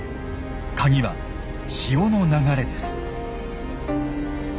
カギは潮の流れです。